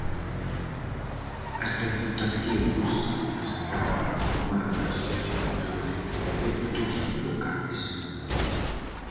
As deputacións están formadas por electos locais.